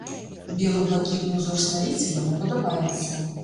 Бела-блакітны ўзор сталіцы яму падабаецца.